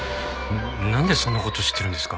なんでそんな事知ってるんですか？